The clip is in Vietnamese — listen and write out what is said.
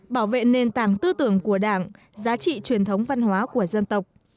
bảo vệ nền tảng tư tưởng của đảng giá trị truyền thống văn hóa của dân tộc